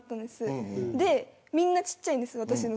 私の代みんなちっちゃいんです。